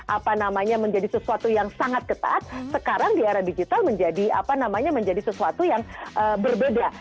apa namanya menjadi sesuatu yang sangat ketat sekarang di era digital menjadi apa namanya menjadi sesuatu yang berbeda